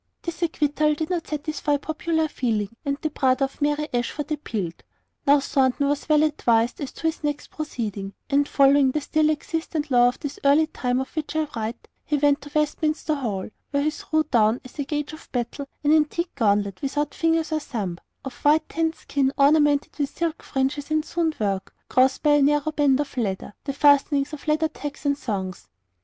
This acquittal did not satisfy popular feeling, and the brother of Mary Ashford appealed. Now Thornton was well advised as to his next proceeding, and, following the still existent law of this early time of which I write, he went to Westminster Hall, where he threw down, as a gage of battle, an antique gauntlet without fingers or thumb, of white tanned skin ornamented with silk fringes and sewn work, crossed by a narrow band of leather, the fastenings of leather tags and thongs.